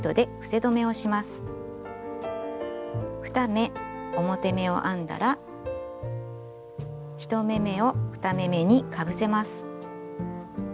２目表目を編んだら１目めを２目めにかぶせます。